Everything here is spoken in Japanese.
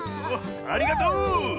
ありがとう！